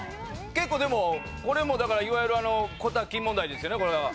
結構でもこれもだからいわゆるあの小瀧問題ですよねこれは。